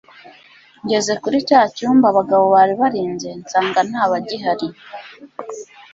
ngeze kuri cya cyumba abagabo bari barinze ,nsanga ntabagihari